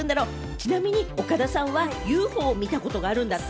ちなみに岡田さんはＵＦＯを見たことがあるんだって？